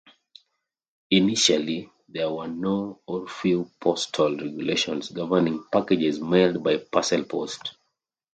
Initially, there were no or few postal regulations governing packages mailed by parcel post.